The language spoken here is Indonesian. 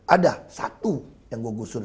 ada satu yang gue gusur